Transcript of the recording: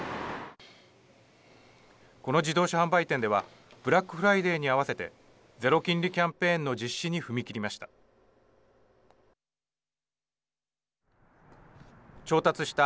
この自動車販売店ではブラックフライデーに合わせてゼロ金利キャンペーンの実施に踏み切りました。